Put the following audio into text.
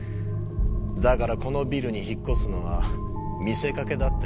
だからこのビルに引っ越すのは見せかけだって。